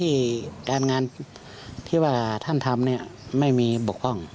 ที่การงานที่ว่าท่านทำไม่มีบกฟ่อง